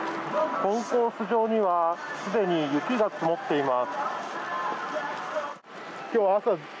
コンコース上にはすでに雪が積もっています。